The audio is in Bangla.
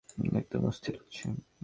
একদম অস্থির লাগছে।